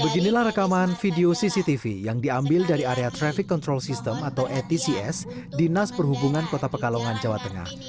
beginilah rekaman video cctv yang diambil dari area traffic control system atau atcs dinas perhubungan kota pekalongan jawa tengah